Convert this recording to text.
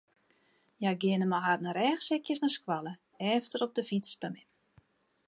Hja geane mei harren rêchsekjes nei skoalle, efter op de fyts by mem.